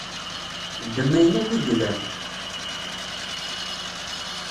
Ddem ayen akk i yellan.